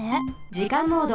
じかんモード。